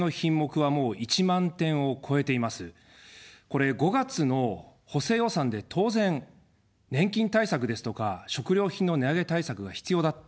これ、５月の補正予算で、当然、年金対策ですとか、食料品の値上げ対策が必要だったんです。